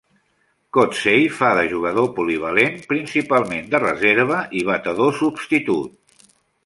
Kotsay fa de jugador polivalent, principalment de reserva i batedor substitut.